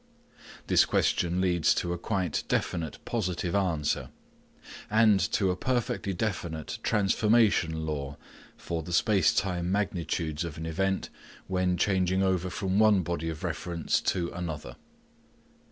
This question leads to a quite definite positive answer, and to a perfectly definite transformation law for the space time magnitudes of an event when changing over from one body of reference to another.